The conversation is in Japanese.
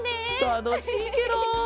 たのしいケロ！